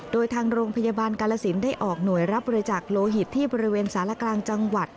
โดยทางโรงพยาบาลกาลสินได้ออกหน่วยรับบริจาคโลหิตที่บริเวณสารกลางจังหวัด